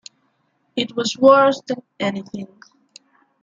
It was worse than anything.